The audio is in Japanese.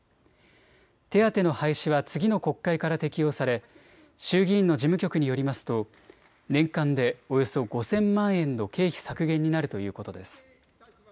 手当の廃止は次の国会から適用され衆議院の事務局によりますと年間でおよそ５０００万円の経費削減になるということです。